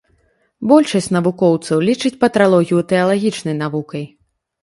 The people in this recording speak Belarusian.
Большасць навукоўцаў лічыць патралогію тэалагічнай навукай.